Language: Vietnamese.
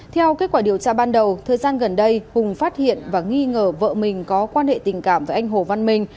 theo kết quả điều tra ban đầu thời gian gần đây hùng phát hiện và nghi ngờ vợ mình có quan hệ tình cảm với anh hồ văn minh